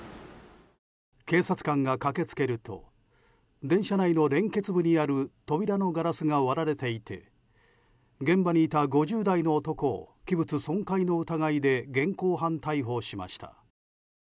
警察官が駆け付けると電車内の連結部にある扉のガラスが割られていて現場にいた５０代の男を器物損壊の疑いで現行犯逮捕しました。